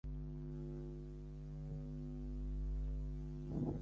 বক্তা ছিলেন দুইজন সুইডেনের ডক্টর কার্ল ভন বারগেন এবং হিন্দু সন্ন্যাসী সিউআমি বিবেকানন্দ।